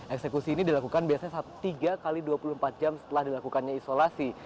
eksekusi ini dilakukan biasanya tiga x dua puluh empat jam setelah dilakukannya isolasi